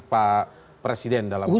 pak presiden dalam hal ini